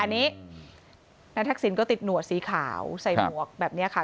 นานทักษิณก็ติดหนวดสีขาวใส่หมวกแบบเนี่ยค่ะ